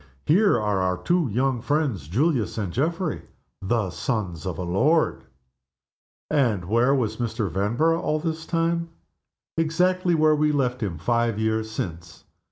Here are our two young friends, Julius and Geoffrey, the sons of a lord!" And where was Mr. Vanborough all this time? Exactly where we left him five years since.